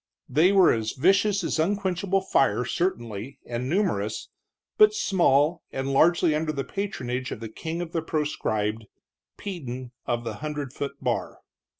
They were as vicious as unquenchable fire, certainly, and numerous, but small, and largely under the patronage of the king of the proscribed, Peden of the hundred foot bar.